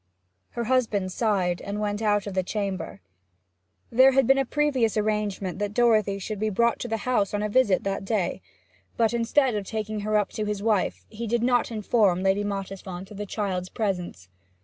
Her husband sighed, and went out of the chamber. There had been a previous arrangement that Dorothy should be brought to the house on a visit that day, but instead of taking her up to his wife, he did not inform Lady Mottisfont of the child's presence.